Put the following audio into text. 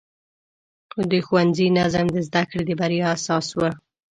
د ښوونځي نظم د زده کړې د بریا اساس و.